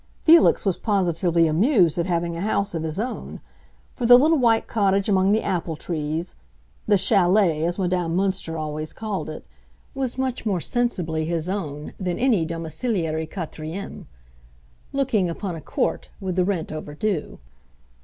Felix was positively amused at having a house of his own; for the little white cottage among the apple trees—the chalet, as Madame Münster always called it—was much more sensibly his own than any domiciliary quatrième, looking upon a court, with the rent overdue.